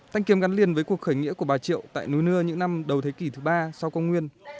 thanh kiếm gắn liền với cuộc khởi nghĩa của bà triệu tại núi nưa những năm đầu thế kỷ thứ ba sau công nguyên